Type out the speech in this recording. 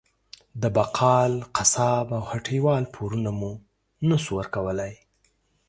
د بقال، قصاب او هټۍ وال پورونه مو نه شو ورکولی.